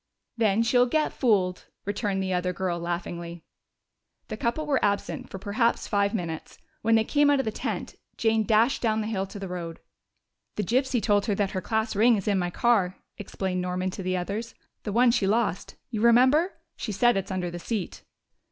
"Then she'll get fooled," returned the other girl laughingly. The couple were absent for perhaps five minutes. When they came out of the tent Jane dashed down the hill to the road. "The gypsy told her that her class ring is in my car," explained Norman to the others. "The one she lost, you remember? She said it's under the seat."